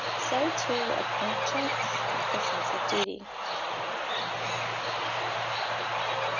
So, too, of conscience, the sense of duty.